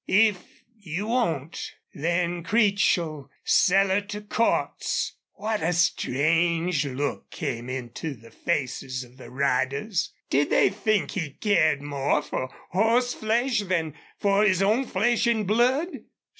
... If you won't then Creech'll sell her to Cordts!" What a strange look came into the faces of the riders! Did, they think he cared more for horseflesh than for his own flesh and blood?